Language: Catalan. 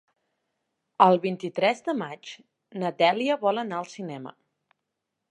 El vint-i-tres de maig na Dèlia vol anar al cinema.